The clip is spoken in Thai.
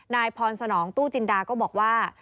นายพรสนองตู้จินดาก็บอกว่า